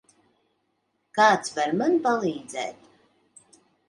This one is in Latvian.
Kāds var man palīdzēt?